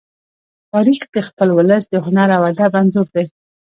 تاریخ د خپل ولس د هنر او ادب انځور دی.